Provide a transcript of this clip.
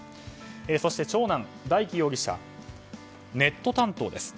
そして長男・大祈容疑者はネット担当です。